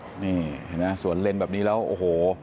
นี่เห็นไหมสวนเล่นแบบนี้แล้วโอ้โห